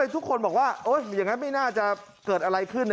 ทุกคนบอกว่าอย่างนั้นไม่น่าจะเกิดอะไรขึ้น